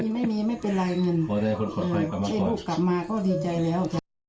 แม่บุคกฎกลับมาก็ดีใจแล้ว